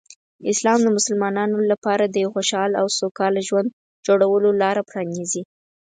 اسلام د مسلمانانو لپاره د یو خوشحال او سوکاله ژوند جوړولو لاره پرانیزي.